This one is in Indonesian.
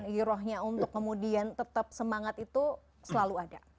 irohnya untuk kemudian tetap semangat itu selalu ada